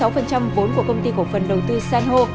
hai mươi sáu vốn của công ty cổ phần đầu tư sanho